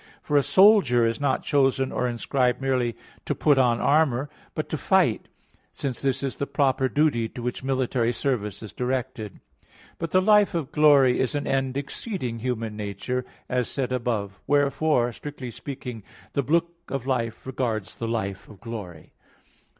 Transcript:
For a soldier is not chosen or inscribed merely to put on armor, but to fight; since this is the proper duty to which military service is directed. But the life of glory is an end exceeding human nature, as said above (Q. 23, A. 1). Wherefore, strictly speaking, the book of life regards the life of glory.